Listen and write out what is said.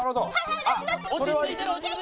落ち着いてる！